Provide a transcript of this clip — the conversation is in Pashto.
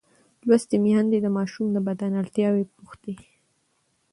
لوستې میندې د ماشوم د بدن اړتیاوې پوښتي.